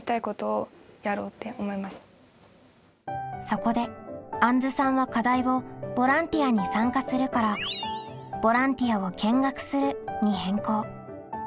そこであんずさんは課題を「ボランティアに参加する」から「ボランティアを見学する」に変更。